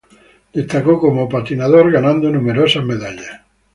Destacó como patinador ganando numerosas medallas.